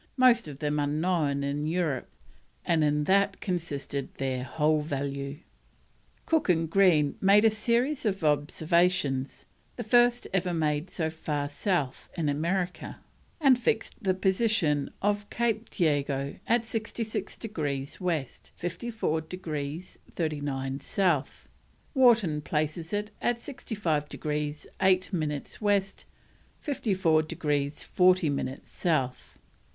most of them unknown in Europe, and in that consisted their whole value." Cook and Green made a series of observations, "the first ever made so far south in America," and fixed the position of Cape Diego at 66 degrees West, 54 degrees 39 South; Wharton places it at 65 degrees eight minutes West, 54 degrees 40 minutes South.